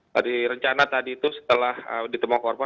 tadi rencana tadi itu setelah ditemukan korban